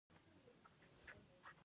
موږ باید پښتو ډیجیټل کړو